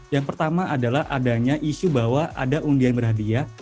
yang pertama adalah adanya isu bahwa ada undian berhadiah